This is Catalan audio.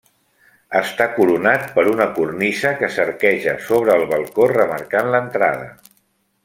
Està coronat per una cornisa que s'arqueja sobre el balcó remarcant l'entrada.